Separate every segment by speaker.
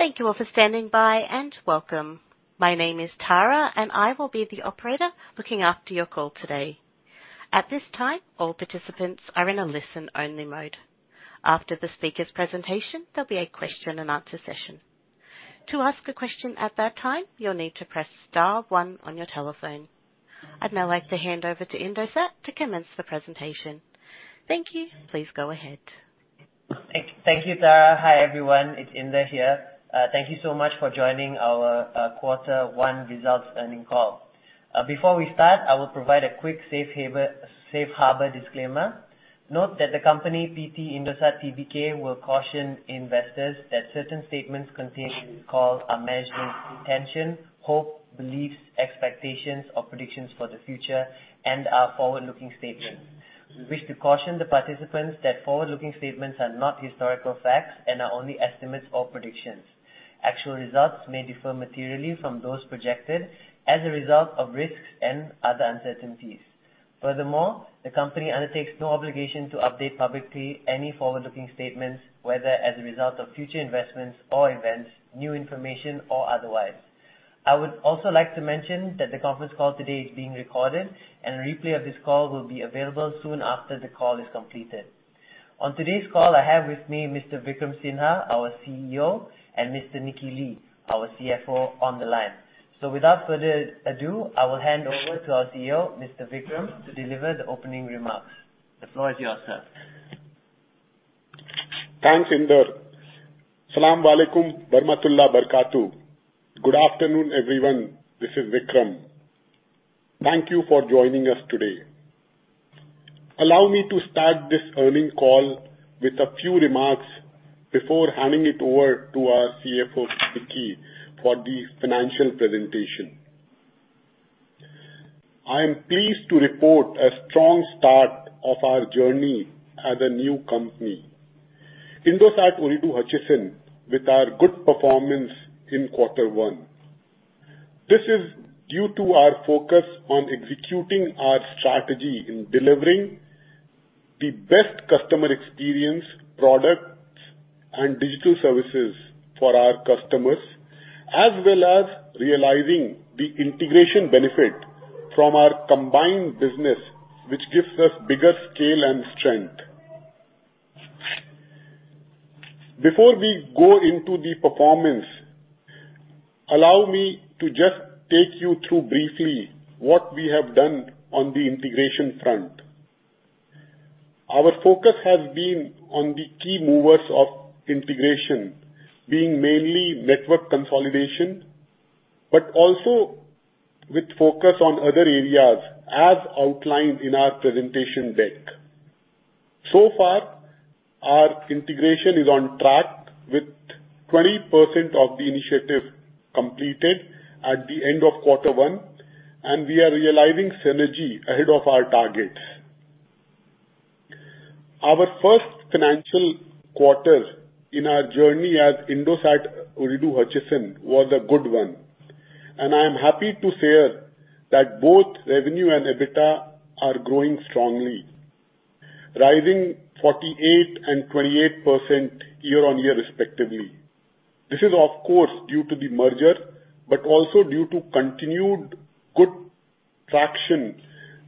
Speaker 1: Thank you all for standing by, and welcome. My name is Tara, and I will be the operator looking after your call today. At this time, all participants are in a listen-only mode. After the speaker's presentation, there'll be a question and answer session. To ask a question at that time, you'll need to press star one on your telephone. I'd now like to hand over to Indosat to commence the presentation. Thank you. Please go ahead.
Speaker 2: Thank you, Tara. Hi, everyone. It's Indar here. Thank you so much for joining our Quarter One Results Earnings Call. Before we start, I will provide a quick safe harbor disclaimer. Note that the company, PT Indosat Tbk, will caution investors that certain statements contained in this call are management's intention, hope, beliefs, expectations or predictions for the future and are forward-looking statements. We wish to caution the participants that forward-looking statements are not historical facts and are only estimates or predictions. Actual results may differ materially from those projected as a result of risks and other uncertainties. Furthermore, the company undertakes no obligation to update publicly any forward-looking statements, whether as a result of future investments or events, new information or otherwise. I would also like to mention that the conference call today is being recorded and a replay of this call will be available soon after the call is completed. On today's call, I have with me Mr. Vikram Sinha, our CEO and Mr. Nicky Lee, our CFO, on the line. Without further ado, I will hand over to our CEO, Mr. Vikram, to deliver the opening remarks. The floor is yours, sir.
Speaker 3: Thanks, Indar. Assalamu alaikum wa rahmatullahi wa barakatuh. Good afternoon, everyone. This is Vikram. Thank you for joining us today. Allow me to start this earnings call with a few remarks before handing it over to our CFO, Nicky, for the financial presentation. I am pleased to report a strong start of our journey as a new company, Indosat Ooredoo Hutchison, with our good performance in quarter one. This is due to our focus on executing our strategy in delivering the best customer experience, products and digital services for our customers, as well as realizing the integration benefit from our combined business which gives us bigger scale and strength. Before we go into the performance, allow me to just take you through briefly what we have done on the integration front. Our focus has been on the key movers of integration, being mainly network consolidation but also with focus on other areas as outlined in our presentation deck. So far, our integration is on track with 20% of the initiative completed at the end of quarter one and we are realizing synergy ahead of our targets. Our first financial quarter in our journey as Indosat Ooredoo Hutchison was a good one. I am happy to share that both revenue and EBITDA are growing strongly, rising 48% and 28% year-on-year, respectively. This is, of course, due to the merger but also due to continued good traction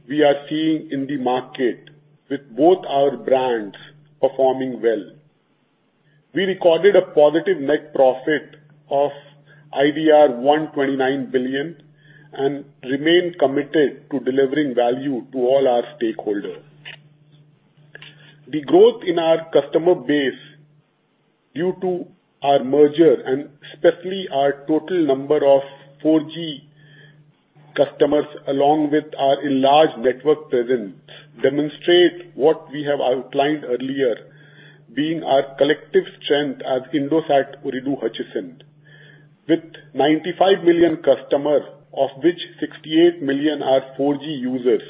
Speaker 3: we are seeing in the market with both our brands performing well. We recorded a positive net profit of IDR 129 billion and remain committed to delivering value to all our stakeholders. The growth in our customer base due to our merger and especially our total number of 4G customers, along with our enlarged network presence, demonstrate what we have outlined earlier, being our collective strength as Indosat Ooredoo Hutchison. With 95 million customers, of which 68 million are 4G users,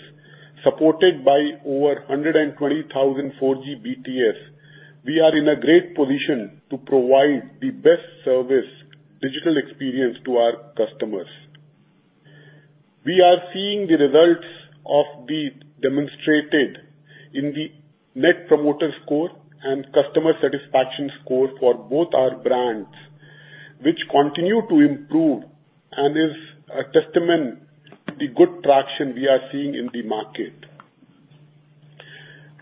Speaker 3: supported by over 120,000 4G BTS, we are in a great position to provide the best service digital experience to our customers. We are seeing the results demonstrated in the Net Promoter Score and customer satisfaction score for both our brands, which continue to improve and is a testament to the good traction we are seeing in the market.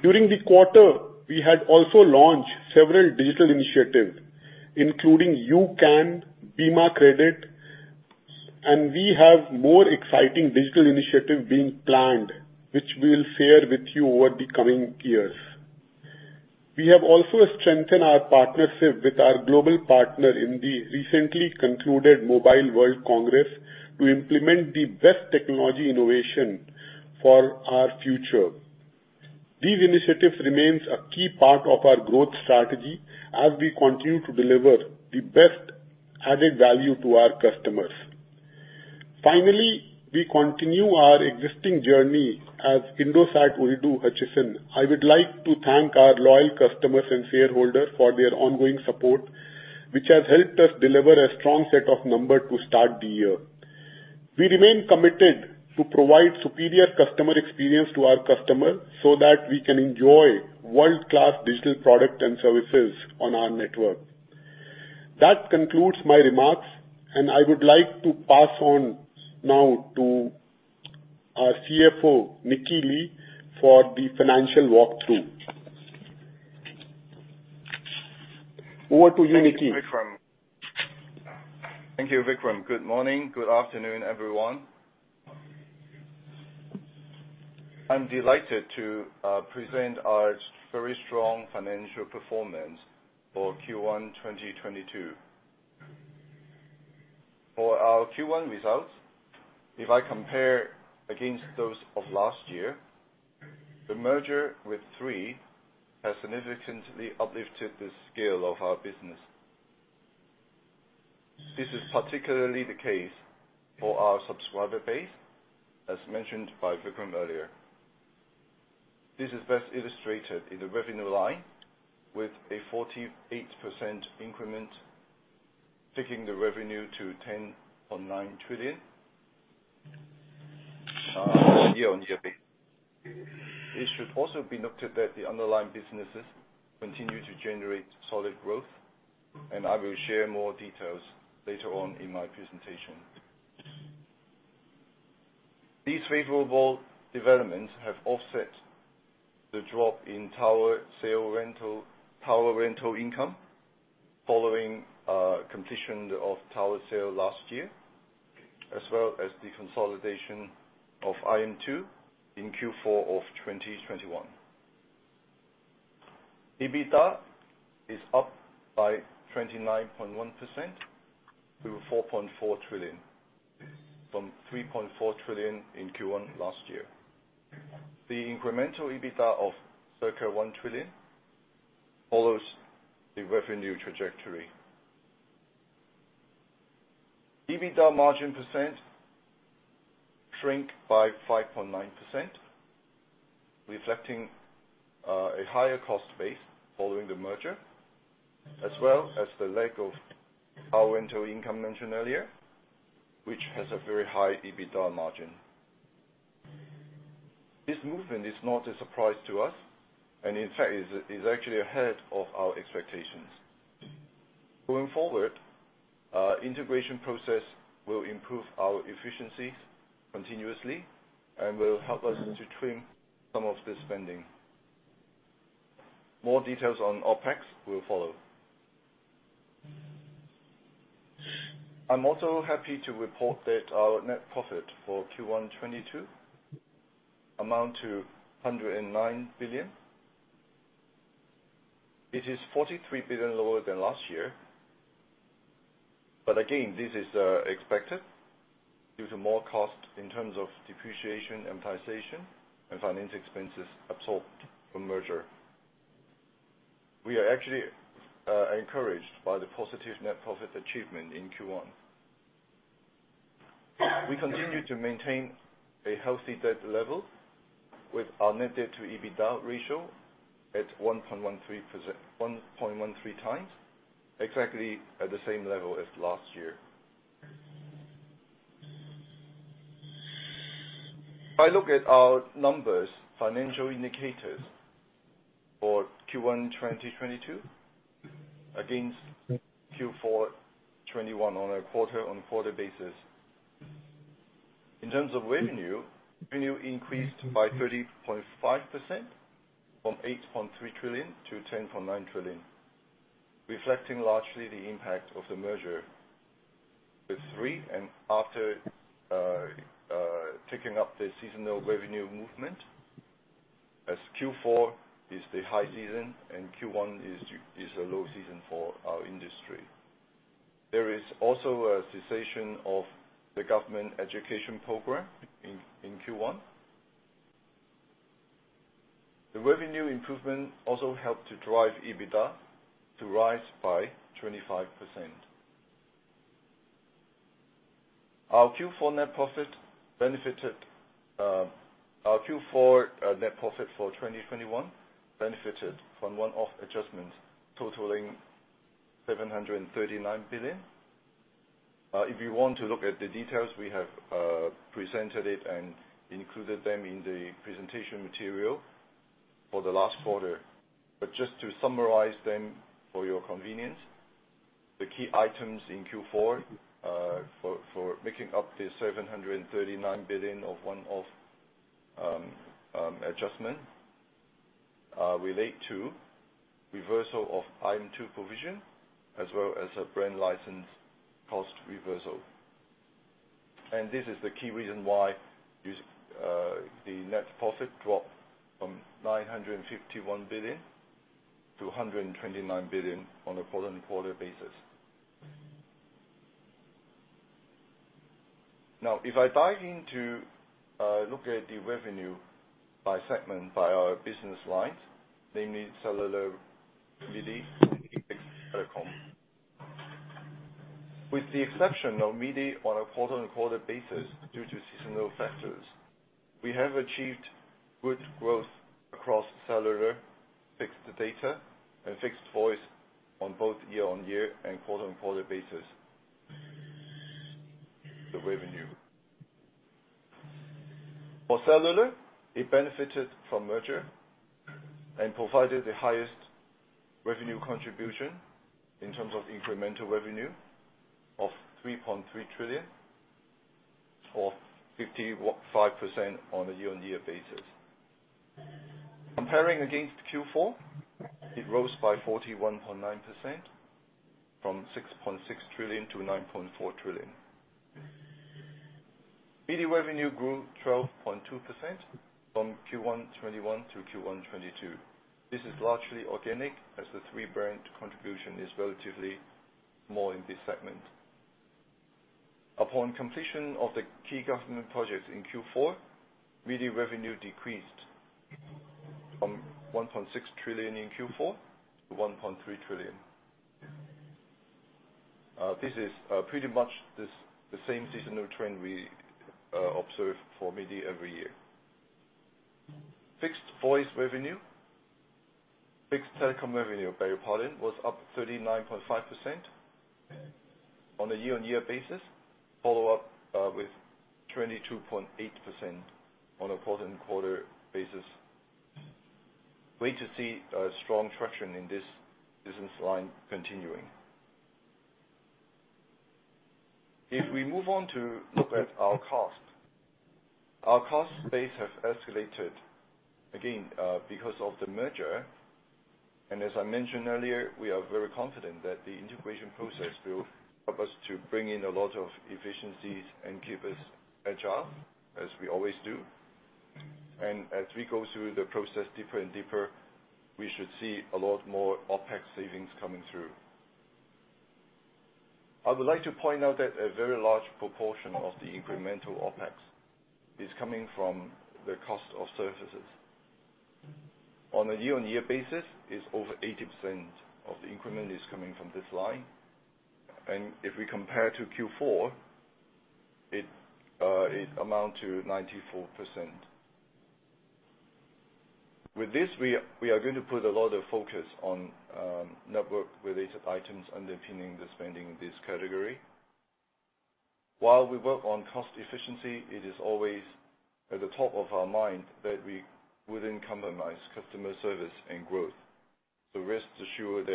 Speaker 3: During the quarter, we had also launched several digital initiatives, including UCan, Bima Kredit and we have more exciting digital initiative being planned, which we will share with you over the coming years. We have also strengthened our partnership with our global partner in the recently concluded Mobile World Congress to implement the best technology innovation for our future. These initiatives remains a key part of our growth strategy as we continue to deliver the best added value to our customers. Finally, we continue our existing journey as Indosat Ooredoo Hutchison. I would like to thank our loyal customers and shareholders for their ongoing support which has helped us deliver a strong set of numbers to start the year. We remain committed to provide superior customer experience to our customers so that we can enjoy world-class digital product and services on our network. That concludes my remarks, and I would like to pass on now to our CFO, Nicky Lee, for the financial walk through. Over to you, Nicky.
Speaker 4: Thank you, Vikram. Good morning. Good afternoon, everyone. I'm delighted to present our very strong financial performance for Q1 2022. For our Q1 results, if I compare against those of last year, the merger with Tri has significantly uplifted the scale of our business. This is particularly the case for our subscriber base, as mentioned by Vikram earlier. This is best illustrated in the revenue line with a 48% increment, taking the revenue to 10.9 trillion year-on-year basis. It should also be noted that the underlying businesses continue to generate solid growth, and I will share more details later on in my presentation. These favorable developments have offset the drop in tower rental income following completion of tower sale last year, as well as the consolidation of IM2 in Q4 of 2021. EBITDA is up by 29.1% to 4.4 trillion, from 3.4 trillion in Q1 last year. The incremental EBITDA of circa 1 trillion follows the revenue trajectory. EBITDA margin shrinks by 5.9%, reflecting a higher cost base following the merger, as well as the lack of our rental income mentioned earlier which has a very high EBITDA margin. This movement is not a surprise to us, and in fact, is actually ahead of our expectations. Going forward, our integration process will improve our efficiency continuously and will help us to trim some of the spending. More details on OpEx will follow. I'm also happy to report that our net profit for Q1 2022 amounts to 109 billion. It is 43 billion lower than last year, but again, this is expected due to more cost in terms of depreciation, amortization and finance expenses absorbed from merger. We are actually encouraged by the positive net profit achievement in Q1. We continue to maintain a healthy debt level with our net debt to EBITDA ratio at 1.13 times, exactly at the same level as last year. If I look at our numbers, financial indicators for Q1 2022 against Q4 2021 on a quarter-on-quarter basis. In terms of revenue increased by 30.5%, from 8.3 trillion to 10.9 trillion, reflecting largely the impact of the merger with Tri and after taking up the seasonal revenue movement, as Q4 is the high season and Q1 is a low season for our industry. There is also a cessation of the government education program in Q1. The revenue improvement also helped to drive EBITDA to rise by 25%. Our Q4 net profit for 2021 benefited from one-off adjustment totaling 739 billion. If you want to look at the details, we have presented it and included them in the presentation material for the last quarter. Just to summarize them for your convenience, the key items in Q4 for making up the 739 billion of one-off adjustment relate to reversal of IM2 provision, as well as a brand license cost reversal. This is the key reason why the net profit dropped from 951 billion to 129 billion on a quarter-on-quarter basis. Now, if I dive into, look at the revenue by segment by our business lines, namely Cellular, Media, and Fixed Telecom. With the exception of Media on a quarter-on-quarter basis due to seasonal factors. We have achieved good growth across cellular, fixed data and fixed voice on both year-on-year and quarter-on-quarter basis. The revenue for cellular, it benefited from merger and provided the highest revenue contribution in terms of incremental revenue of 3.3 trillion, or 55% on a year-on-year basis. Comparing against Q4, it rose by 41.9% from 6.6 trillion to 9.4 trillion. Media revenue grew 12.2% from Q1 2021 to Q1 2022. This is largely organic as the Tri brand contribution is relatively more in this segment. Upon completion of the key government project in Q4, media revenue decreased from 1.6 trillion in Q4 to 1.3 trillion. This is pretty much the same seasonal trend we observe for media every year. Fixed telecom revenue, beg your pardon was up 39.5% on a year-on-year basis, followed up with 22.8% on a quarter-on-quarter basis. We expect to see strong traction in this business line continuing. If we move on to look at our cost, our cost base has escalated again because of the merger. As I mentioned earlier, we are very confident that the integration process will help us to bring in a lot of efficiencies and keep us agile as we always do. As we go through the process deeper and deeper, we should see a lot more OpEx savings coming through. I would like to point out that a very large proportion of the incremental OpEx is coming from the cost of services. On a year-on-year basis is over 80% of the increment is coming from this line. If we compare to Q4, it amounts to 94%. With this, we are going to put a lot of focus on network related items underpinning the spending in this category. While we work on cost efficiency, it is always at the top of our mind that we wouldn't compromise customer service and growth. Rest assured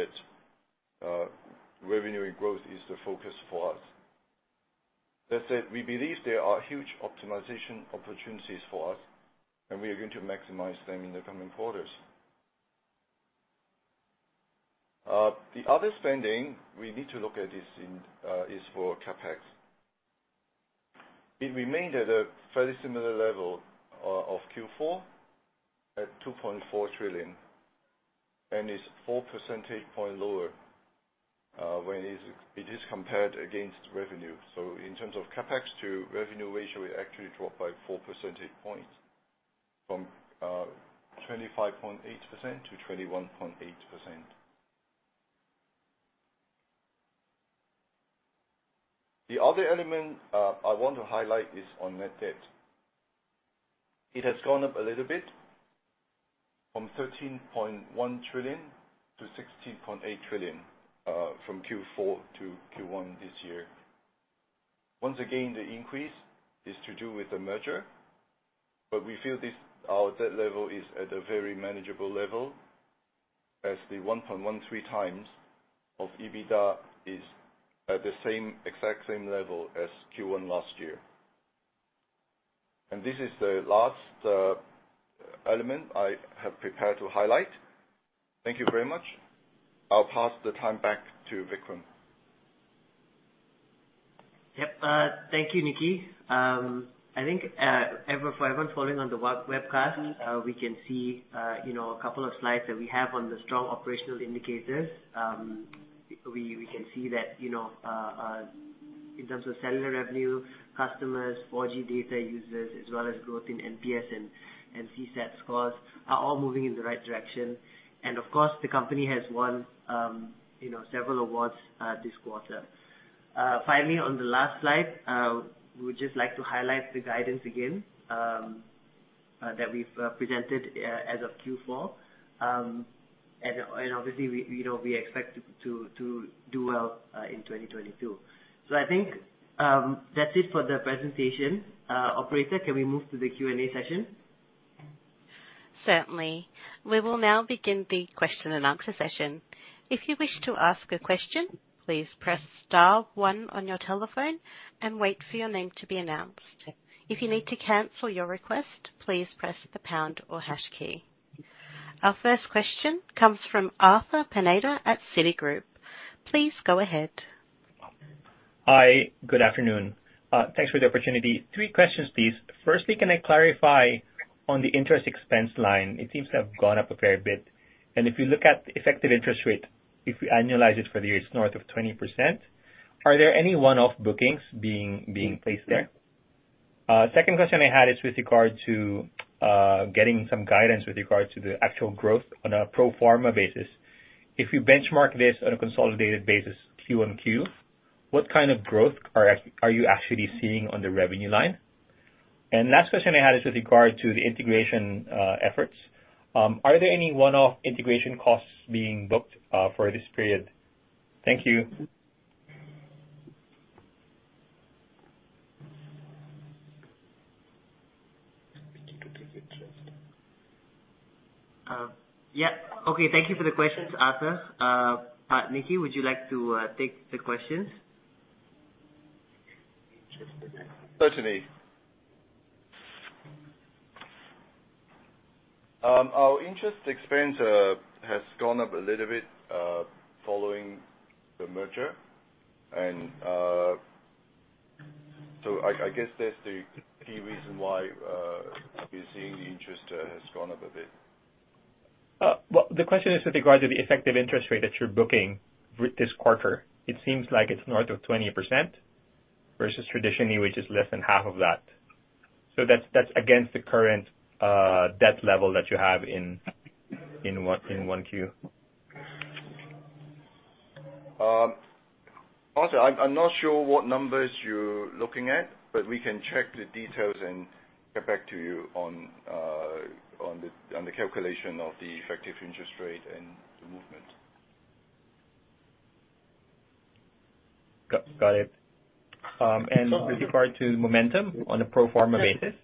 Speaker 4: that revenue and growth is the focus for us. That said, we believe there are huge optimization opportunities for us and we are going to maximize them in the coming quarters. The other spending we need to look at is for CapEx. It remained at a fairly similar level of Q4 at 2.4 trillion and is four percentage point lower when it is compared against revenue. In terms of CapEx to revenue ratio, it actually dropped by four percentage points from 25.8% to 21.8%. The other element I want to highlight is on net debt. It has gone up a little bit from 13.1 trillion to 16.8 trillion from Q4 to Q1 this year. Once again, the increase is to do with the merger but we feel this, our debt level is at a very manageable level as the 1.13 times of EBITDA is at the same, exact same level as Q1 last year. This is the last element I have prepared to highlight. Thank you very much. I'll pass the time back to Vikram.
Speaker 2: Yep. Thank you, Nicky. I think, for everyone following on the webcast, we can see, you know, a couple of slides that we have on the strong operational indicators. We can see that, you know, in terms of cellular revenue, customers, 4G data users, as well as growth in NPS and CSAT scores are all moving in the right direction. Of course, the company has won, you know, several awards, this quarter. Finally, on the last slide, we would just like to highlight the guidance again, that we've presented, as of Q4. And obviously, we, you know, we expect to do well, in 2022. I think, that's it for the presentation. Operator, can we move to the Q&A session?
Speaker 1: Certainly. We will now begin the question and answer session. If you wish to ask a question, please press star one on your telephone and wait for your name to be announced. If you need to cancel your request, please press the pound or hash key. Our first question comes from Arthur Pineda at Citigroup. Please go ahead.
Speaker 5: Hi. Good afternoon. Thanks for the opportunity. Three questions, please. Firstly, can I clarify on the interest expense line? It seems to have gone up a fair bit. If you look at effective interest rate, if we annualize it for the year, it's north of 20%. Are there any one-off bookings being placed there? Second question I had is with regard to getting some guidance with regard to the actual growth on a pro forma basis. If you benchmark this on a consolidated basis Q-on-Q. What kind of growth are you actually seeing on the revenue line? Last question I had is with regard to the integration efforts. Are there any one-off integration costs being booked for this period? Thank you.
Speaker 3: Okay, thank you for the questions, Arthur. Nicky, would you like to take the questions?
Speaker 4: Certainly. Our interest expense has gone up a little bit following the merger. I guess that's the key reason why you're seeing the interest has gone up a bit.
Speaker 5: Well, the question is with regard to the effective interest rate that you're booking with this quarter. It seems like it's north of 20% versus traditionally, which is less than half of that. That's against the current debt level that you have in 1Q.
Speaker 4: Also, I'm not sure what numbers you're looking at but we can check the details and get back to you on the calculation of the effective interest rate and the movement.
Speaker 5: Got it. With regard to momentum on a pro forma basis.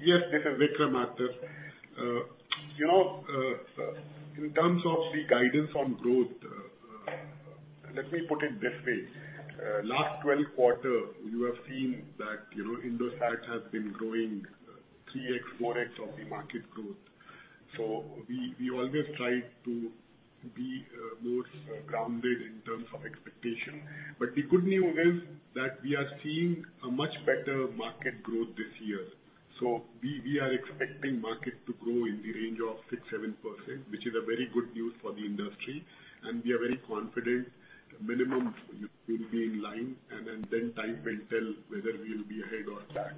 Speaker 3: Yes. This is Vikram, Arthur. You know, in terms of the guidance on growth, let me put it this way. Last twelve quarters, you have seen that, you know, Indosat has been growing 3x-4x of the market growth. We always try to be more grounded in terms of expectation. The good news is that we are seeing a much better market growth this year. We are expecting market to grow in the range of 6%-7%, which is a very good news for the industry and we are very confident minimum we'll be in line and then time will tell whether we'll be ahead or back.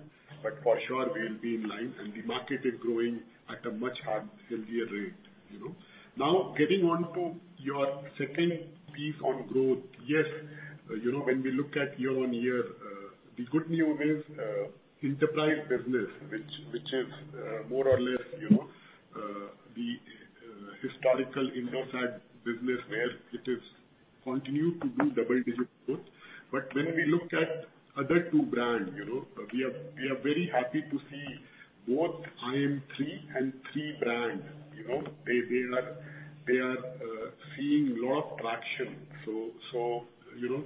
Speaker 3: For sure we'll be in line and the market is growing at a much higher, healthier rate, you know. Now, getting on to your second piece on growth. Yes, you know, when we look at year-on-year, the good news is, enterprise business, which is more or less, you know, the historical Indosat business where it is continued to do double digit growth. When we look at other two brand, you know, we are very happy to see both IM3 and Tri brand, you know, they are seeing lot of traction. You know,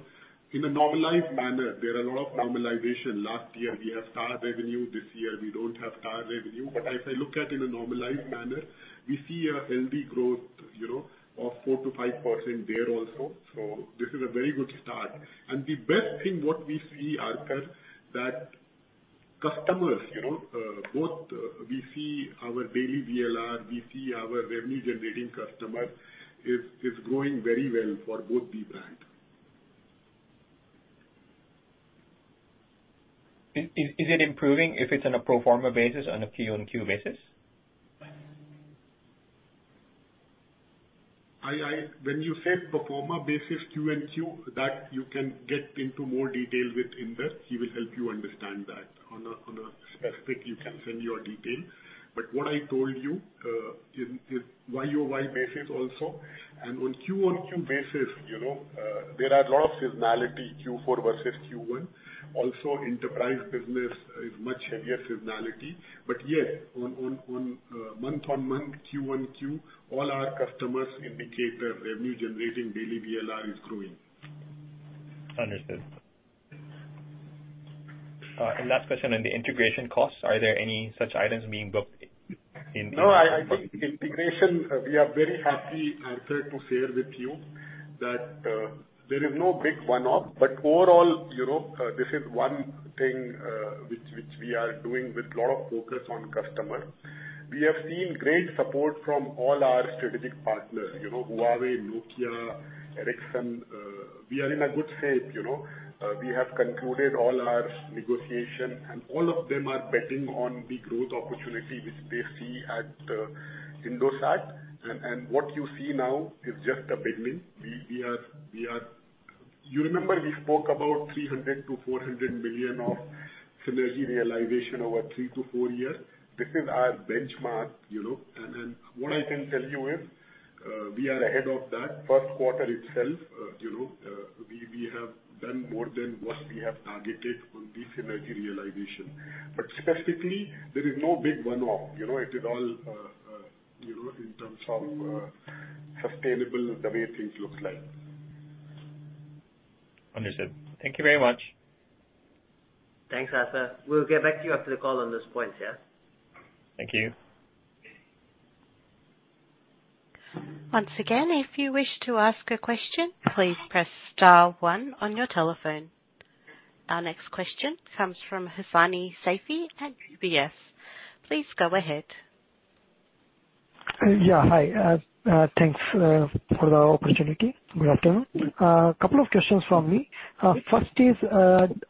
Speaker 3: in a normalized manner, there are a lot of normalization. Last year we have STAR revenue. This year we don't have STAR revenue. If I look at in a normalized manner, we see a healthy growth, you know, of 4%-5% there also. This is a very good start. The best thing, what we see, Arthur, that customers, you know, both, we see our daily VLR, we see our revenue generating customer is growing very well for both the brand.
Speaker 5: Is it improving if it's on a pro forma basis on a Q-on-Q basis?
Speaker 3: When you said pro forma basis Q-on-Q, that you can get into more detail with Indar. He will help you understand that. On a specific, you can send your detail. What I told you in YOY basis also, and on Q-on-Q basis, you know, there are a lot of seasonality, Q4 versus Q1. Also enterprise business is much heavier seasonality. Yes, on month-on-month, Q-on-Q, all our customers indicate their revenue generating daily VLR is growing.
Speaker 5: Understood. Last question on the integration costs. Are there any such items being booked in?
Speaker 3: No, I think integration, we are very happy, Arthur, to share with you that there is no big one-off. Overall, you know, this is one thing which we are doing with lot of focus on customer. We have seen great support from all our strategic partners, you know, Huawei, Nokia, Ericsson. We are in a good shape, you know. We have concluded all our negotiation and all of them are betting on the growth opportunity which they see at Indosat. What you see now is just a beginning. You remember we spoke about 300 million-400 million of synergy realization over 3-4 years. This is our benchmark, you know. Then what I can tell you is we are ahead of that first quarter itself. You know, we have done more than what we have targeted on the synergy realization. Specifically, there is no big one-off. You know, it is all, you know, in terms of sustainable the way things look like.
Speaker 5: Understood. Thank you very much.
Speaker 3: Thanks, Arthur. We'll get back to you after the call on those points, yeah.
Speaker 5: Thank you.
Speaker 1: Once again, if you wish to ask a question, please press star one on your telephone. Our next question comes from Hussaini Saifee at UBS. Please go ahead.
Speaker 6: Yeah, hi. Thanks for the opportunity. Good afternoon. Couple of questions from me. First is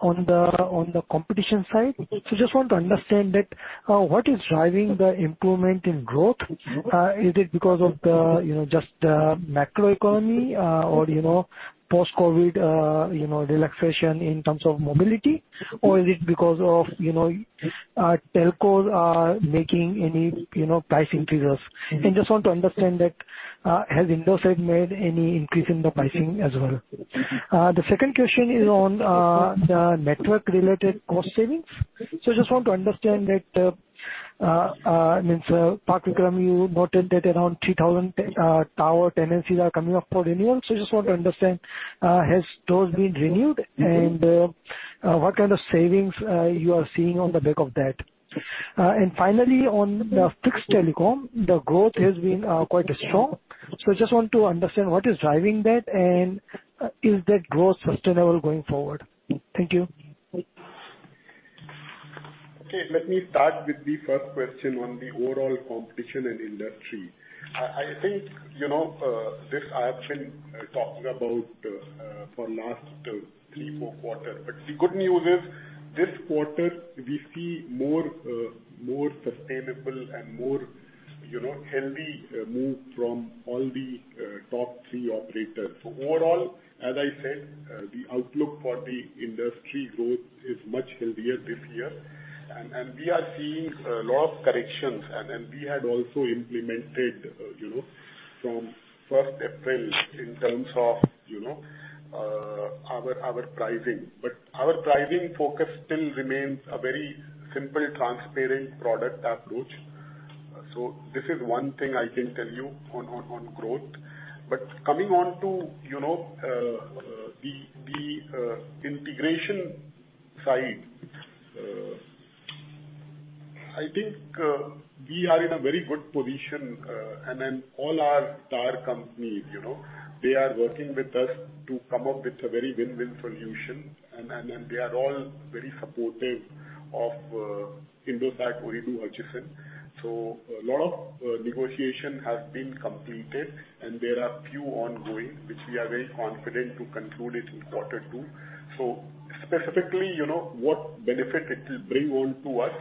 Speaker 6: on the competition side. Just want to understand that, what is driving the improvement in growth? Is it because of the, you know, just the macro economy or, you know, post-COVID, you know, relaxation in terms of mobility? Or is it because of, you know, telcos are making any, you know, price increases? Just want to understand that, has Indosat made any increase in the pricing as well? The second question is on the network related cost savings. Just want to understand that, I mean, so Vikram, you noted that around 3,000 tower tenancies are coming up for renewal. Just want to understand, has those been renewed and what kind of savings you are seeing on the back of that? Finally on the fixed telecom, the growth has been quite strong. I just want to understand what is driving that and is that growth sustainable going forward? Thank you.
Speaker 3: Okay. Let me start with the first question on the overall competition and industry. I think you know this. I have been talking about for last three, four quarters. The good news is this quarter we see more sustainable and more healthy move from all the top three operators. Overall, as I said, the outlook for the industry growth is much healthier this year. We are seeing a lot of corrections and we had also implemented you know from first April in terms of, you know, our pricing. Our pricing focus still remains a very simple, transparent product approach. This is one thing I can tell you on growth. Coming on to, you know, the integration side. I think we are in a very good position. All our tower companies, you know, they are working with us to come up with a very win-win solution. They are all very supportive of Indosat Ooredoo acquisition. A lot of negotiation has been completed and there are few ongoing which we are very confident to conclude it in quarter two. Specifically, you know, what benefit it will bring on to us,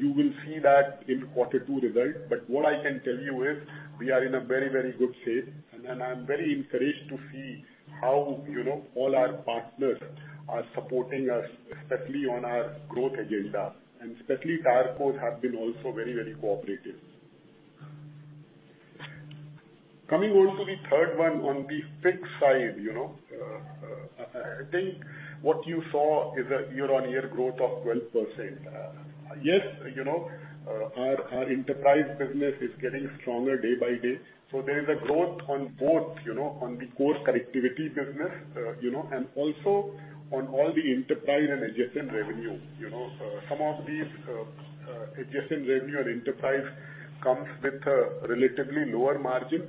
Speaker 3: you will see that in quarter two result. What I can tell you is we are in a very, very good shape and then I'm very encouraged to see how, you know, all our partners are supporting us, especially on our growth agenda. Especially TowerCo have been also very, very cooperative. Coming on to the third one on the fixed side, you know, I think what you saw is a year-on-year growth of 12%. Yes, you know, our enterprise business is getting stronger day by day. There is a growth on both, you know, on the core connectivity business, you know, and also on all the enterprise and adjacent revenue. You know, some of these adjacent revenue and enterprise comes with a relatively lower margin.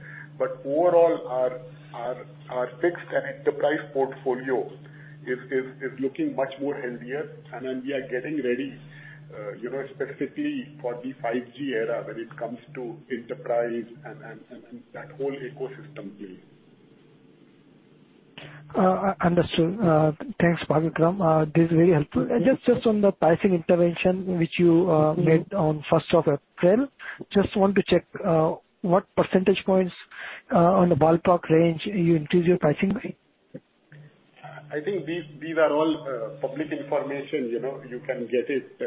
Speaker 3: Overall our fixed and enterprise portfolio is looking much more healthier. Then we are getting ready, you know, specifically for the 5G era when it comes to enterprise and that whole ecosystem build.
Speaker 6: Understood. Thanks, Vikram. This is very helpful. Just on the pricing intervention which you made on first of April, just want to check what percentage points on the ballpark range you increased your pricing by?
Speaker 3: I think these are all public information, you know, you can get it.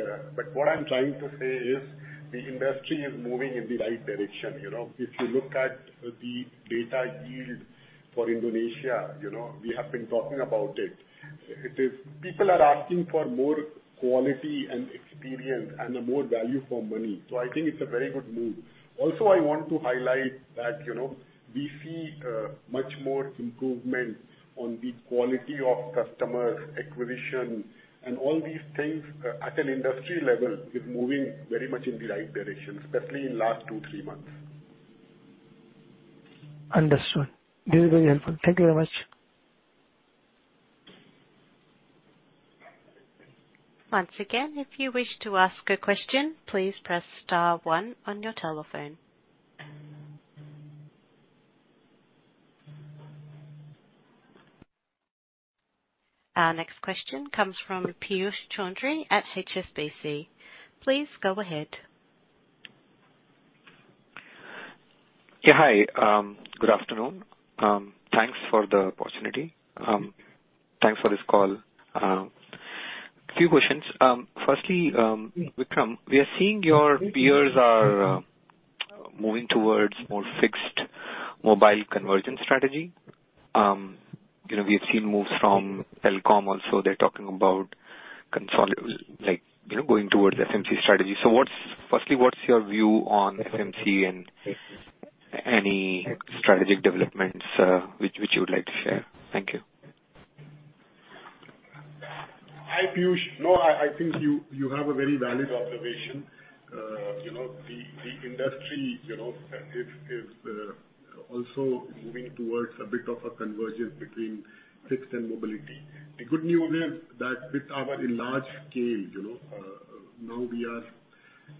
Speaker 3: What I'm trying to say is the industry is moving in the right direction, you know. If you look at the data yield for Indonesia, you know, we have been talking about it. It is. People are asking for more quality and experience and a more value for money. I think it's a very good move. Also, I want to highlight that, you know, we see much more improvements on the quality of customers acquisition and all these things at an industry level is moving very much in the right direction, especially in last two, three months.
Speaker 6: Understood. This is very helpful. Thank you very much.
Speaker 1: Once again, if you wish to ask a question, please press star one on your telephone. Our next question comes from Piyush Choudhary at HSBC. Please go ahead.
Speaker 7: Yeah. Hi. Good afternoon. Thanks for the opportunity. Thanks for this call. Few questions. Firstly, Vikram, we are seeing your peers are moving towards more fixed mobile convergence strategy. You know, we have seen moves from Telkom also they're talking about like, you know, going towards FMC strategy. What's firstly, what's your view on FMC and any strategic developments, which you would like to share? Thank you.
Speaker 3: Hi, Piyush. No, I think you have a very valid observation. You know, the industry, you know, is also moving towards a bit of a convergence between fixed and mobility. The good news is that with our enlarged scale, you know, now we are,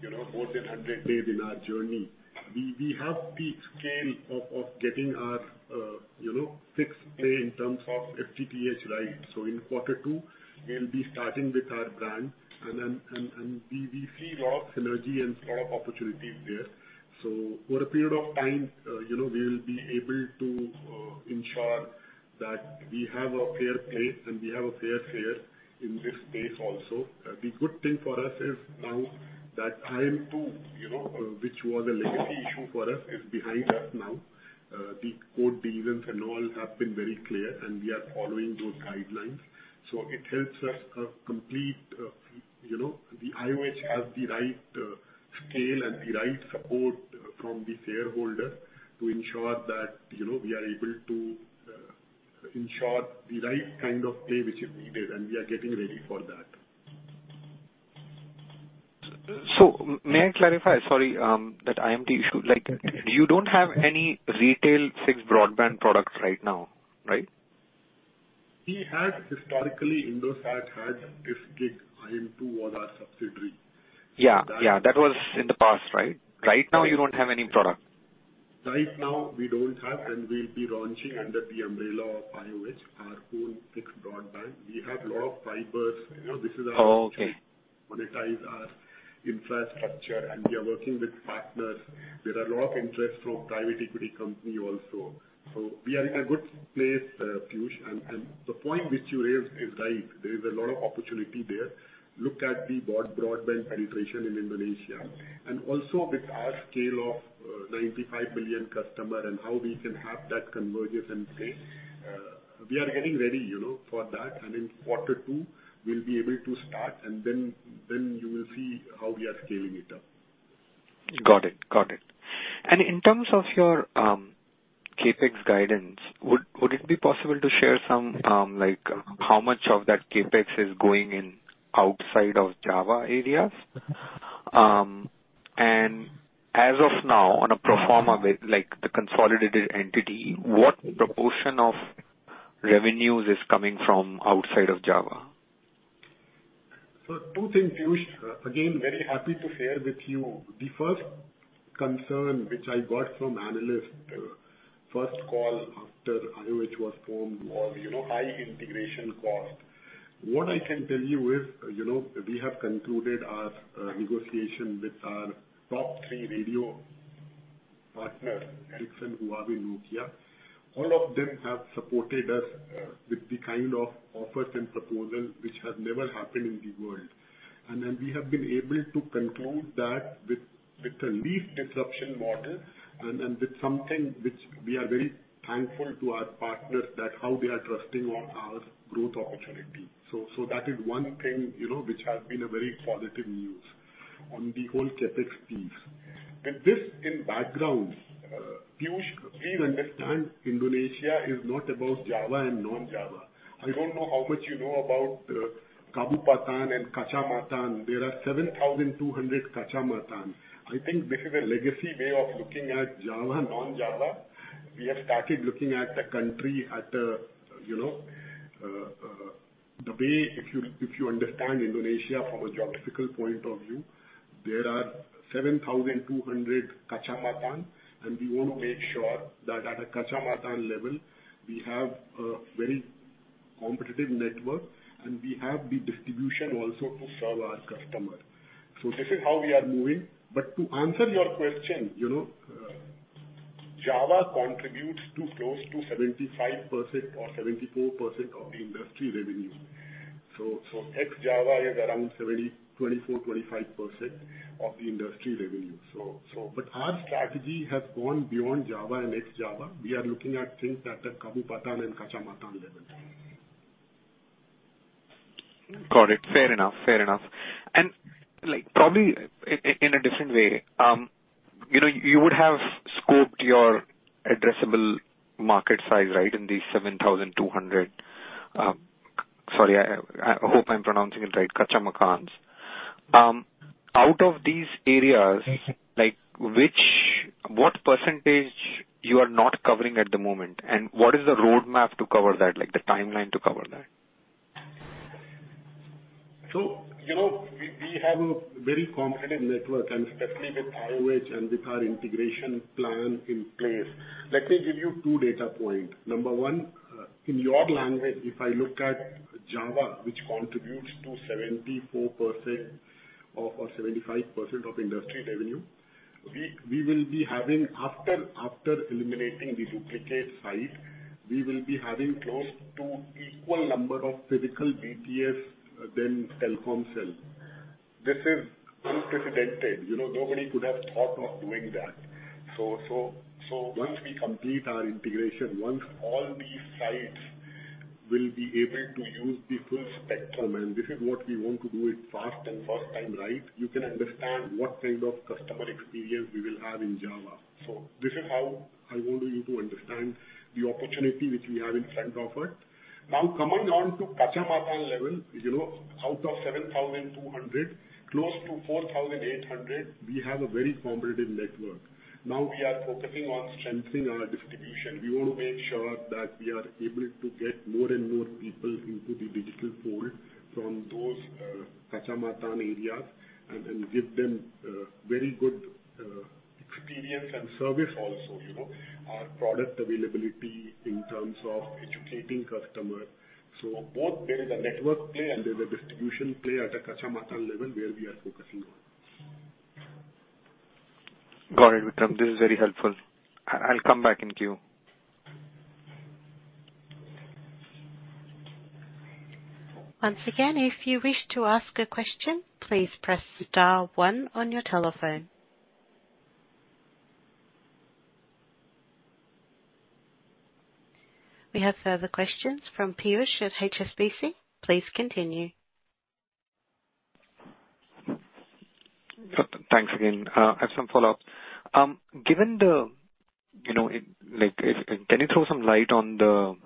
Speaker 3: you know, more than 100 days in our journey. We have the scale of getting our, you know, fixed play in terms of FTTH, right? In quarter two, we'll be starting with our brand. We see a lot of synergy and a lot of opportunities there. Over a period of time, you know, we'll be able to ensure that we have a fair play and we have a fair share in this space also. The good thing for us is now that IM2, you know, which was a legacy issue for us, is behind us now. The court decisions and all have been very clear and we are following those guidelines. It helps us, you know, the IOH has the right scale and the right support from the shareholder to ensure that, you know, we are able to ensure the right kind of play which is needed, and we are getting ready for that.
Speaker 7: May I clarify? Sorry, that IM2 issue. Like, you don't have any retail fixed broadband products right now, right?
Speaker 3: Historically, Indosat had fixed biz. IM2 was our subsidiary.
Speaker 7: Yeah. That was in the past, right? Right now you don't have any product.
Speaker 3: Right now we don't have and we'll be launching under the umbrella of IOH, our own fixed broadband. We have lot of fibers. You know, this is our.
Speaker 7: Oh, okay.
Speaker 3: Monetize our infrastructure, and we are working with partners. There is a lot of interest from private equity companies also. We are in a good place, Piyush. The point which you raised is right. There is a lot of opportunity there. Look at the broadband penetration in Indonesia and also with our scale of 95 million customers and how we can have that convergence in place. We are getting ready, you know, for that. In quarter two we'll be able to start and then you will see how we are scaling it up.
Speaker 7: Got it. In terms of your CapEx guidance, would it be possible to share some like how much of that CapEx is going in outside of Java areas? As of now, on a pro forma like the consolidated entity, what proportion of revenues is coming from outside of Java?
Speaker 3: Two things, Piyush. Again, very happy to share with you. The first concern which I got from analyst, first call after IOH was formed was, you know, high integration cost. What I can tell you is, you know, we have concluded our negotiation with our top three radio partners, Ericsson, Huawei, Nokia. All of them have supported us with the kind of offers and proposals which has never happened in the world. Then we have been able to conclude that with a least disruption model and with something which we are very thankful to our partners that how they are trusting on our growth opportunity. That is one thing, you know, which has been a very positive news on the whole CapEx piece. This in background, Piyush, please understand Indonesia is not about Java and non-Java. I don't know how much you know about Kabupaten and Kecamatan. There are 7,200 Kecamatan. I think this is a legacy way of looking at Java, non-Java. We have started looking at the country at a, you know, the way if you understand Indonesia from a geographical point of view. There are 7,200 Kecamatan, and we wanna make sure that at a Kecamatan level, we have a very competitive network and we have the distribution also to serve our customer. This is how we are moving. To answer your question, you know Java contributes to close to 75% or 74% of the industry revenue. Ex-Java is around 23, 24, 25% of the industry revenue. Our strategy has gone beyond Java and ex-Java. We are looking at things at a Kabupaten and Kecamatan level.
Speaker 7: Got it. Fair enough. Like, probably in a different way, you know, you would have scoped your addressable market size, right, in these 7,200 Kecamatans. Sorry, I hope I'm pronouncing it right, out of these areas.
Speaker 3: Mm-hmm.
Speaker 7: Like, which what percentage you are not covering at the moment? What is the roadmap to cover that? Like, the timeline to cover that?
Speaker 3: You know, we have a very competitive network and especially with IOH and with our integration plan in place. Let me give you two data point. Number one, in your language, if I look at Java, which contributes to 74% or 75% of industry revenue, we will be having, after eliminating the duplicate site, we will be having close to equal number of physical BTS than Telkomsel. This is unprecedented. You know, nobody could have thought of doing that. Once we complete our integration, once all these sites will be able to use the full spectrum and this is what we want to do it fast and first time, right, you can understand what kind of customer experience we will have in Java. This is how I want you to understand the opportunity which we have in front of it. Now, coming on to Kecamatan level, you know, out of 7,200, close to 4,800, we have a very competitive network. Now we are focusing on strengthening our distribution. We want to make sure that we are able to get more and more people into the digital fold from those Kecamatan areas and give them very good experience and service also, you know, our product availability in terms of educating customer. Both there is a network play and there's a distribution play at a Kecamatan level where we are focusing on.
Speaker 7: Got it, Vikram. This is very helpful. I'll come back in queue.
Speaker 1: Once again, if you wish to ask a question, please press star one on your telephone. We have further questions from Piyush at HSBC. Please continue.
Speaker 7: Thanks again. I have some follow-up. Can you throw some light on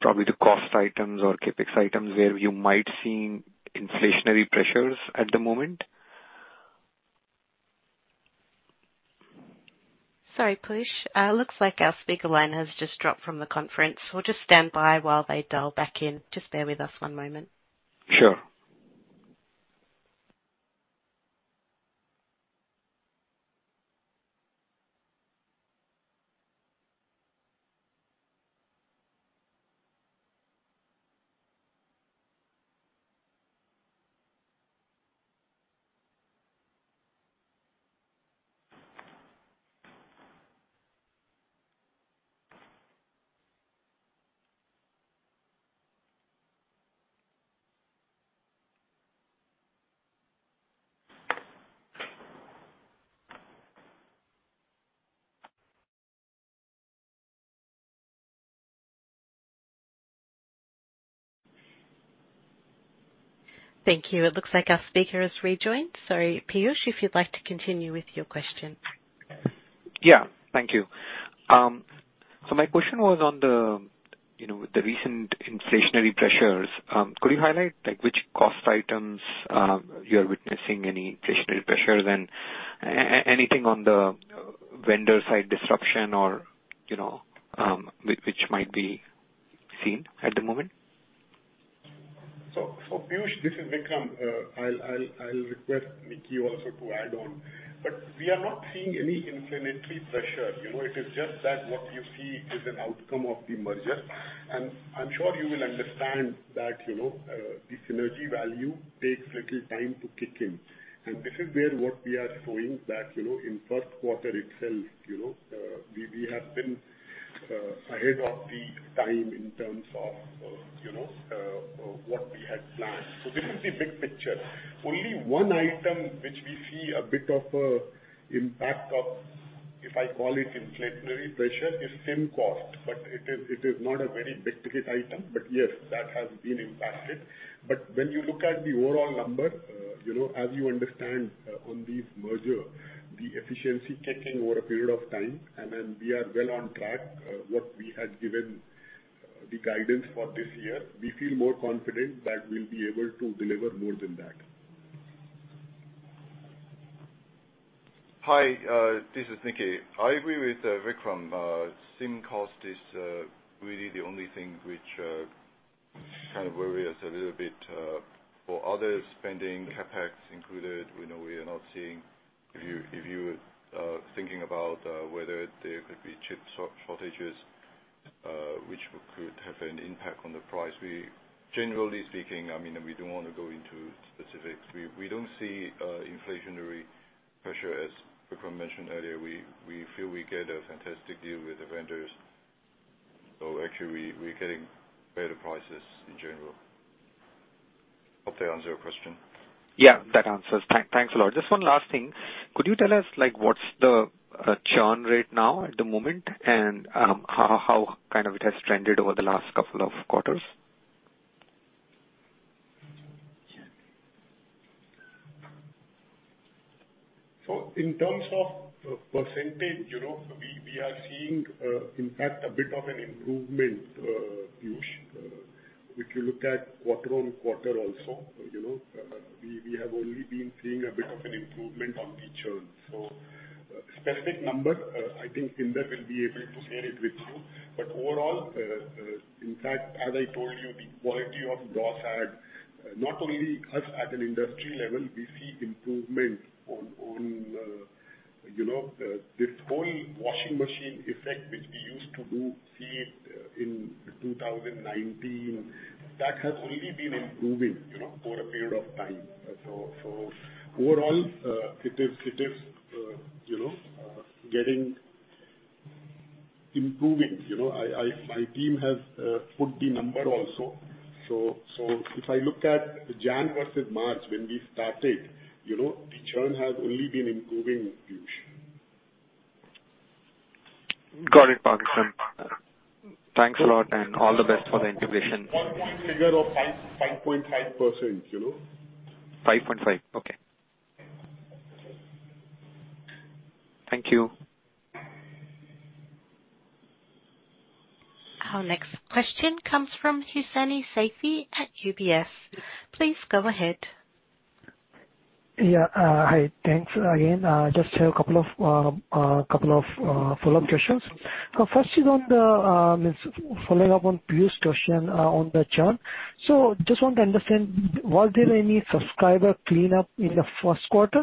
Speaker 7: probably the cost items or CapEx items where you might see inflationary pressures at the moment?
Speaker 1: Sorry, Piyush. Looks like our speaker line has just dropped from the conference. We'll just stand by while they dial back in. Just bear with us one moment.
Speaker 7: Sure.
Speaker 1: Thank you. It looks like our speaker has rejoined. Sorry, Piyush, if you'd like to continue with your question.
Speaker 7: Yeah. Thank you. My question was on the, you know, the recent inflationary pressures. Could you highlight, like, which cost items you are witnessing any inflationary pressures and anything on the vendor side disruption or, you know, which might be seen at the moment?
Speaker 3: Piyush, this is Vikram. I'll request Nicky also to add on. We are not seeing any inflationary pressure. You know, it is just that what you see is an outcome of the merger. I'm sure you will understand that, you know, the synergy value takes little time to kick in. This is where what we are showing that, you know, in first quarter itself, you know, we have been ahead of time in terms of, you know, what we had planned. This is the big picture. Only one item which we see a bit of an impact of, if I call it inflationary pressure, is SIM cost but it is not a very big hit item. Yes, that has been impacted. When you look at the overall number, you know, as you understand, on this merger, the efficiency kicking in over a period of time and then we are well on track what we had given, the guidance for this year. We feel more confident that we'll be able to deliver more than that.
Speaker 4: Hi, this is Nicky. I agree with Vikram Sinha. SIM cost is really the only thing which kind of worry us a little bit. For other spending, CapEx included, you know, we are not seeing. If you're thinking about whether there could be chip shortages, which could have an impact on the price, we generally speaking, I mean, we don't wanna go into specifics. We don't see inflationary pressure as Vikram mentioned earlier. We feel we get a fantastic deal with the vendors. Actually we're getting better prices in general. Hope that answers your question.
Speaker 7: Yeah, that answers. Thanks a lot. Just one last thing. Could you tell us, like, what's the churn rate now at the moment and how kind of it has trended over the last couple of quarters?
Speaker 3: In terms of percentage, you know, we are seeing, in fact a bit of an improvement, Piyush. If you look at quarter-on-quarter also, you know, we have only been seeing a bit of an improvement on the churn. Specific number, I think Indar will be able to share it with you but overall, in fact, as I told you, the quality of loss add, not only us at an industry level, we see improvement on, you know, this whole washing machine effect, which we used to do see it, in 2019. That has only been improving, you know, for a period of time. Overall, it is, you know, getting improving. You know, I, my team has put the number also. If I look at January versus March when we started, you know, the churn has only been improving, Piyush.
Speaker 7: Got it, Vikram. Thanks a lot and all the best for the integration.
Speaker 3: One point figure of five, 5.5%, you know.
Speaker 7: 5.5. Okay. Thank you.
Speaker 1: Our next question comes from Hussaini Saifee at UBS. Please go ahead.
Speaker 6: Hi. Thanks again. Just have a couple of follow-up questions. First is on the following up on Piyush's question on the churn. Just want to understand, was there any subscriber cleanup in the first quarter?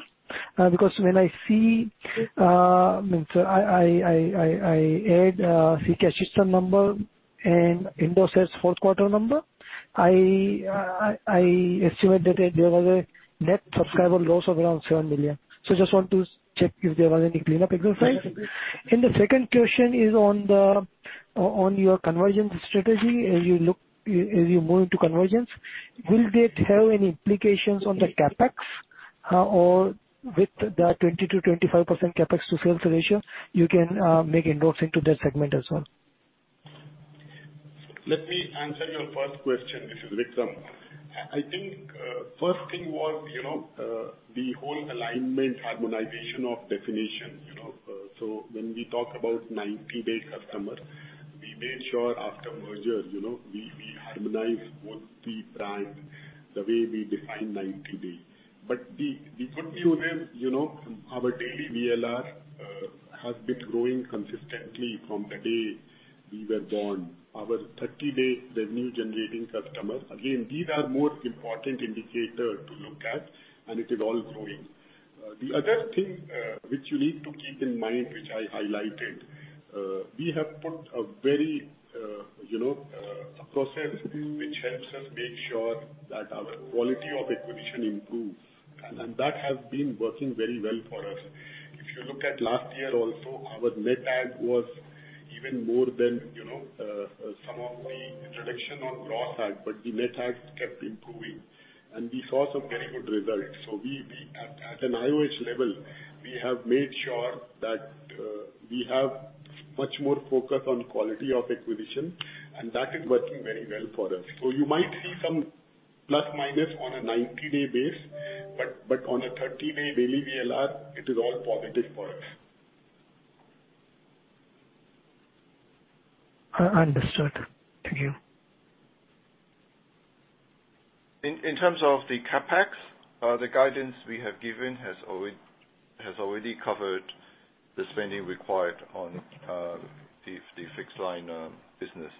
Speaker 6: Because when I see, I mean, I add free cash flow number and Indosat's fourth quarter number. I estimate that there was a net subscriber loss of around 7 million. Just want to check if there was any cleanup exercise. The second question is on your convergence strategy. As you move into convergence, will that have any implications on the CapEx? Or with the 20%-25% CapEx to sales ratio, you can make inroads into that segment as well.
Speaker 3: Let me answer your first question, Mr. Vikram. I think first thing was, you know, the whole alignment harmonization of definition, you know. When we talk about 90-day customers, we made sure after merger, you know, we harmonize all three brands the way we define 90-day. The good news is, you know, our daily VLR has been growing consistently from the day we were born. Our 30-day revenue generating customers, again, these are more important indicator to look at and it is all growing. The other thing which you need to keep in mind, which I highlighted, we have put a very, you know, a process which helps us make sure that our quality of acquisition improves. That has been working very well for us. If you look at last year also, our net add was even more than, you know, some of the introduction on gross add but the net add kept improving and we saw some very good results. We at an IOH level, we have made sure that we have much more focus on quality of acquisition and that is working very well for us. You might see some plus minus on a 90-day base, but on a 30-day daily VLR, it is all positive for us.
Speaker 6: Understood. Thank you.
Speaker 4: In terms of the CapEx, the guidance we have given has already covered the spending required on the fixed line business.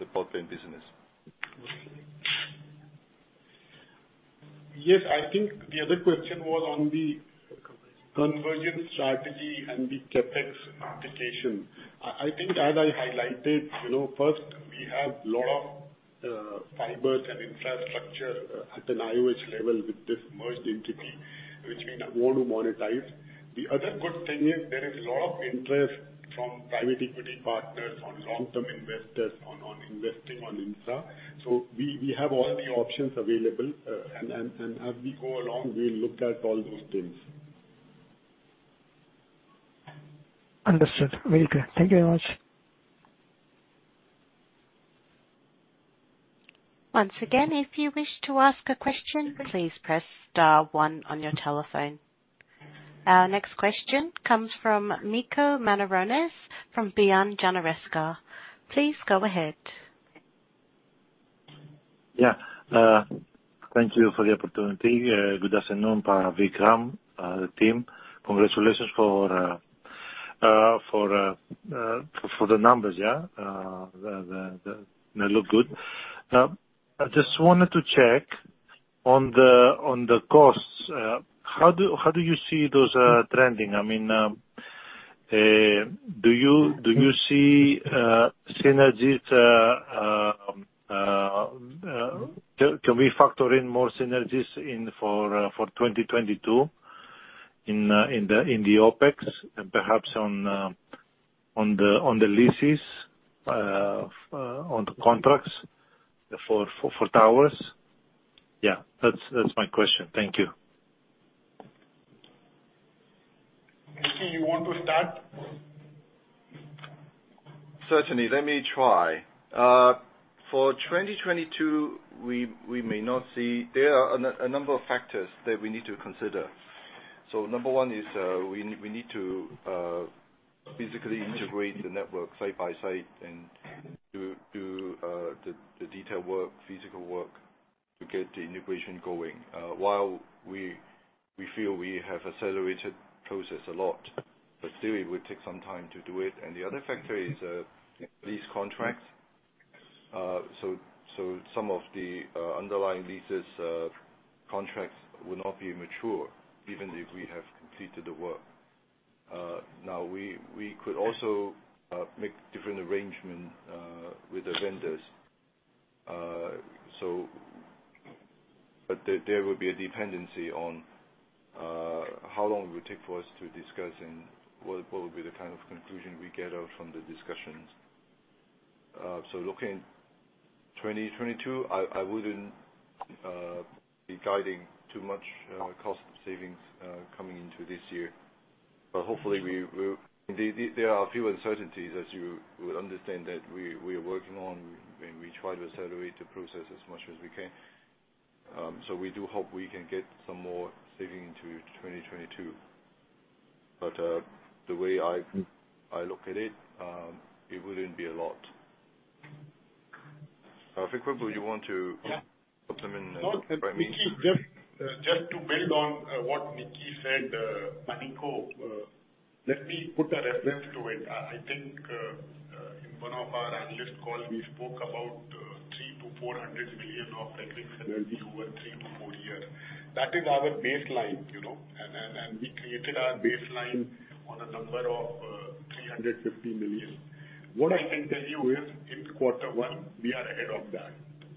Speaker 4: The broadband business.
Speaker 6: Okay.
Speaker 3: Yes. I think the other question was on the convergence strategy and the CapEx implication. I think as I highlighted, you know, first we have lot of fibers and infrastructure at an IOH level with this merged entity, which we now want to monetize. The other good thing is there is a lot of interest from private equity partners and long-term investors in investing in infra. We have all the options available. As we go along, we'll look at all those things.
Speaker 6: Understood. Very clear. Thank you very much.
Speaker 1: Once again, if you wish to ask a question, please press star one on your telephone. Our next question comes from Niko Margaronis from BRI Danareksa. Please go ahead.
Speaker 8: Thank you for the opportunity. Good afternoon, Vikram, the team. Congratulations for the numbers. They look good. I just wanted to check on the costs. How do you see those trending? I mean, do you see synergies? Can we factor in more synergies in for 2022 in the OpEx and perhaps on the leases, on the contracts for towers? That's my question. Thank you.
Speaker 3: Nicky, you want to start?
Speaker 4: Certainly. Let me try. For 2022, we may not see. There are a number of factors that we need to consider. Number one is, we need to physically integrate the network side by side and do the detail work, physical work to get the integration going. While we feel we have accelerated process a lot but still it would take some time to do it. The other factor is, lease contracts. So some of the underlying leases, contracts will not be mature even if we have completed the work. Now we could also make different arrangement with the vendors. So There would be a dependency on how long it would take for us to discuss and what would be the kind of conclusion we get out from the discussions. Looking 2022, I wouldn't be guiding too much cost savings coming into this year. Hopefully we will. There are a few uncertainties as you would understand that we are working on and we try to accelerate the process as much as we can. We do hope we can get some more savings into 2022. The way I look at it wouldn't be a lot. Vikram, do you want to?
Speaker 3: Yeah.
Speaker 4: Comment by me?
Speaker 3: Just to build on what Nicky said. Let me put a reference to it. I think in one of our analyst calls, we spoke about 300-400 million of synergies over 3-4 years. That is our baseline, you know. We created our baseline on a number of 350 million. What I can tell you is in quarter one we are ahead of that.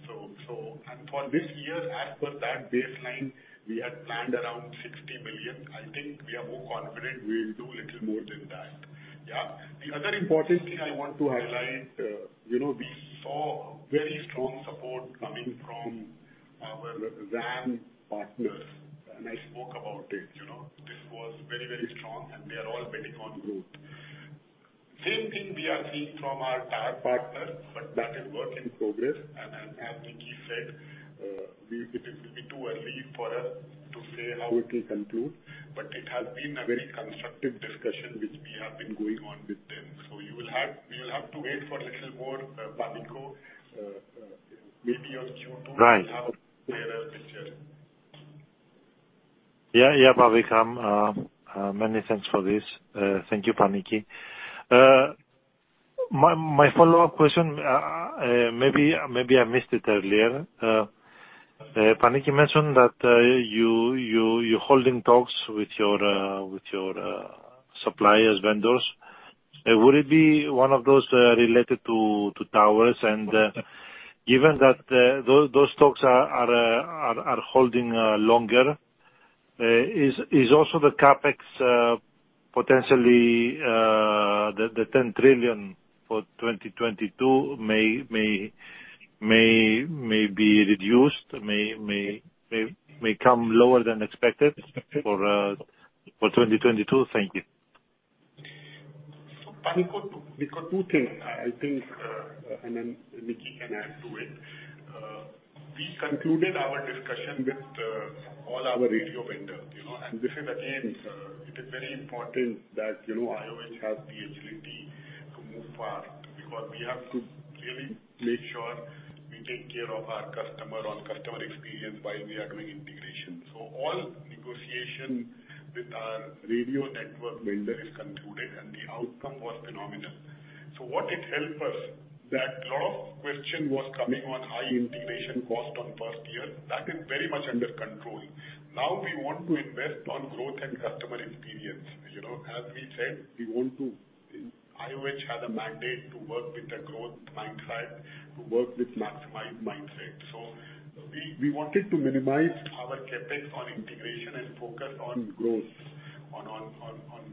Speaker 3: And for this year, as per that baseline, we had planned around 60 million. I think we are more confident we'll do little more than that. Yeah. The other important thing I want to highlight, you know, we saw very strong support coming from our RAN partners, and I spoke about it, you know. This was very, very strong and we are all betting on growth. Same thing we are seeing from our tower partners, but that is work in progress. As Nicky said, it will be too early for us to say how it will conclude, but it has been a very constructive discussion which we have been going on with them. We will have to wait for a little more, Nicky. Maybe on Q2.
Speaker 8: Right.
Speaker 3: We'll have a clearer picture.
Speaker 8: Yeah, Vikram. Many thanks for this. Thank you, Nicky. My follow-up question, maybe I missed it earlier. Nicky mentioned that you holding talks with your suppliers, vendors. Would it be one of those related to towers? Given that those talks are holding longer, is also the CapEx potentially the 10 trillion for 2022 may be reduced, may come lower than expected for 2022? Thank you.
Speaker 3: Nico, We've got two things. I think, and then Nicky can add to it. We concluded our discussion with all our radio vendors, you know. This is again, it is very important that, you know, IOH has the agility to move fast, because we have to really make sure we take care of our customer-on-customer experience while we are doing integration. All negotiation with our radio network vendor is concluded and the outcome was phenomenal. What it help us, that lot of question was coming on high integration cost on first year. That is very much under control. Now we want to invest on growth and customer experience. You know, as we said, we want to IOH had a mandate to work with a growth mindset to work with maximize mindset. We wanted to minimize our CapEx on integration and focus on growth.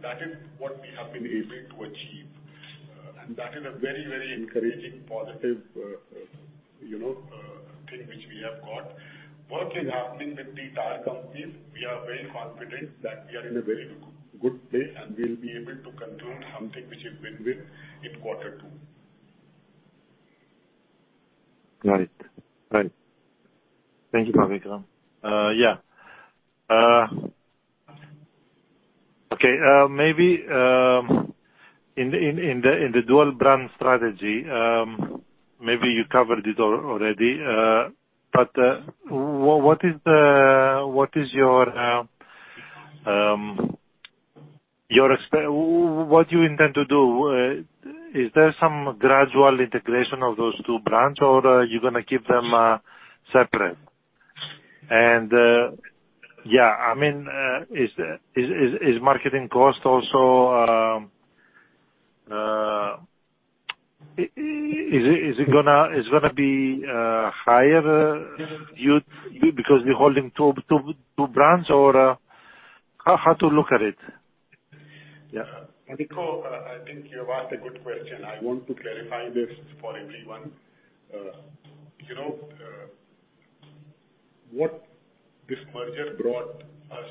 Speaker 3: That is what we have been able to achieve. That is a very encouraging, positive, you know, thing which we have got. Work is happening with the tower companies. We are very confident that we are in a very good place and we'll be able to conclude something which is win-win in quarter two.
Speaker 8: Got it. Thank you, Vikram. Maybe in the dual brand strategy, maybe you covered it already. What do you intend to do? Is there some gradual integration of those two brands or are you gonna keep them separate? Yeah, I mean, is marketing cost also? Is it gonna be higher due because we're holding two brands or how to look at it?
Speaker 3: Nico, I think you have asked a good question. I want to clarify this for everyone. You know, what this merger brought us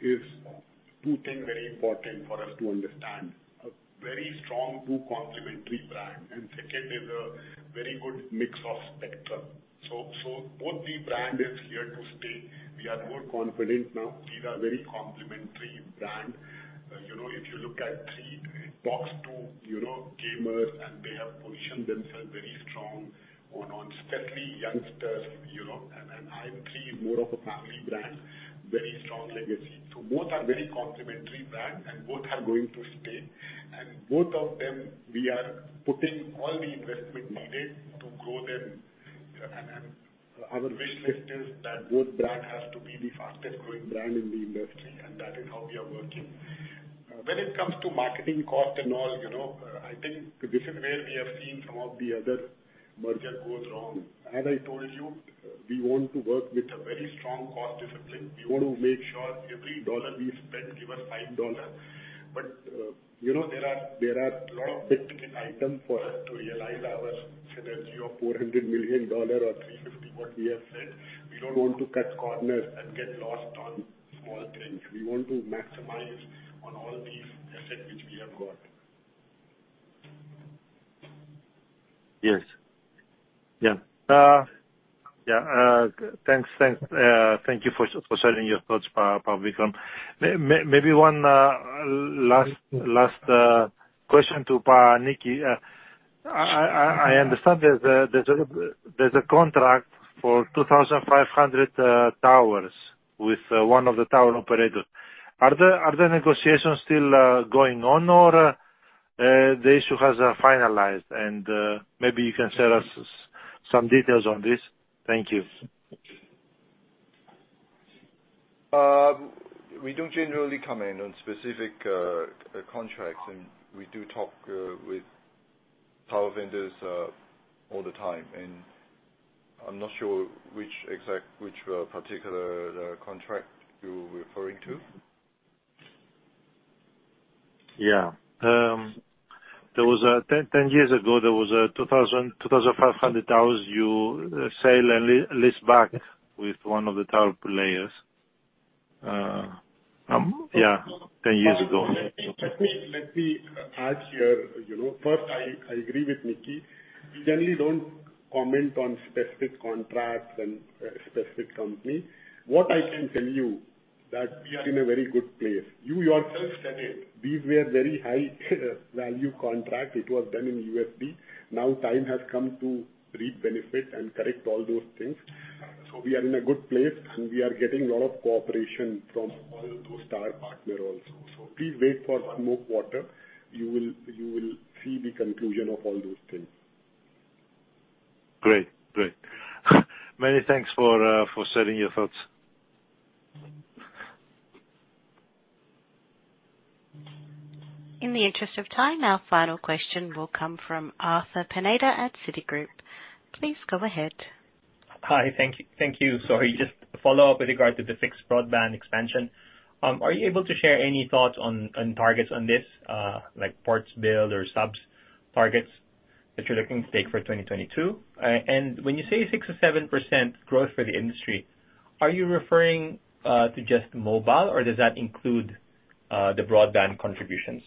Speaker 3: is two thing very important for us to understand. A very strong two complementary brand and second is a very good mix of spectrum. Both the brand is here to stay. We are more confident now. These are very complementary brand. You know, if you look at Tri, Talk2, you know, gamers and they have positioned themselves very strong on steadily youngsters, you know, and IM3 is more of a family brand, very strong legacy. Both are very complementary brand and both of them, we are putting all the investment needed to grow them. Our wish list is that both brand has to be the fastest growing brand in the industry and that is how we are working. When it comes to marketing cost and all, you know, I think this is where we have seen some of the other merger goes wrong. As I told you, we want to work with a very strong cost discipline. We want to make sure every dollar we spend give us five dollar. You know, there are lot of built-in item for us to realize our synergy of $400 million or $350 what we have said. We don't want to cut corners and get lost on small things. We want to maximize on all the asset which we have got.
Speaker 8: Thanks. Thank you for sharing your thoughts, Vikram. Maybe one last question to Nicky. I understand there's a contract for 2,500 towers with one of the tower operators. Are the negotiations still going on or the issue has finalized and maybe you can share us some details on this? Thank you.
Speaker 4: We don't generally comment on specific contracts and we do talk with tower vendors all the time. I'm not sure which particular contract you're referring to.
Speaker 8: Yeah. Ten years ago, there was a 2,500 towers you sell and lease back with one of the tower players. Yeah, ten years ago.
Speaker 3: Let me ask here, you know. First, I agree with Nicky. We generally don't comment on specific contracts and specific company. What I can tell you that we are in a very good place. You yourself said it. These were very high value contract. It was done in USD. Now time has come to reap benefit and correct all those things. We are in a good place and we are getting a lot of cooperation from all those tower partner also. Please wait for one more quarter, you will see the conclusion of all those things.
Speaker 8: Great. Great. Many thanks for sharing your thoughts.
Speaker 1: In the interest of time, our final question will come from Arthur Pineda at Citigroup. Please go ahead.
Speaker 5: Hi. Thank you. Sorry. Just to follow up with regard to the fixed broadband expansion. Are you able to share any thoughts on targets on this, like ports build or subs targets that you're looking to take for 2022? When you say 6%-7% growth for the industry, are you referring to just mobile or does that include the broadband contributions?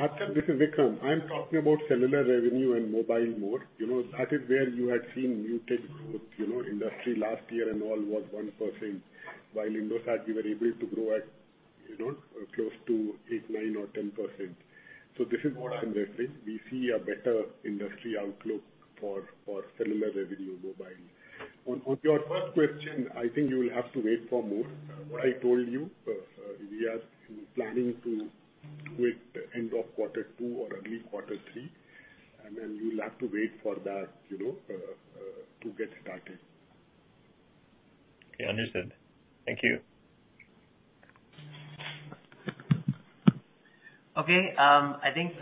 Speaker 3: Arthur, this is Vikram. I'm talking about cellular revenue and mobile more. You know, that is where you had seen muted growth, you know, industry last year and all was 1%, while Indosat, we were able to grow at, you know, close to eight, nine or 10%. This is what I'm referring. We see a better industry outlook for cellular revenue mobile. On your first question, I think you will have to wait for more. What I told you, we are planning to do it end of quarter two or early quarter three and then you'll have to wait for that, you know, to get started.
Speaker 5: Okay. Understood. Thank you.
Speaker 2: Okay. I think,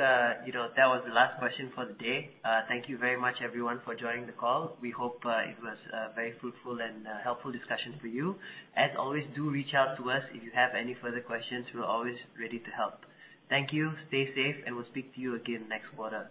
Speaker 2: you know, that was the last question for the day. Thank you very much everyone for joining the call. We hope it was a very fruitful and helpful discussion for you. As always, do reach out to us if you have any further questions. We're always ready to help. Thank you. Stay safe and we'll speak to you again next quarter.